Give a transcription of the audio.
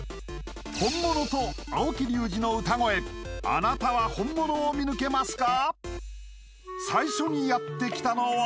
本物と青木隆治の歌声あなたは本物を見抜けますか？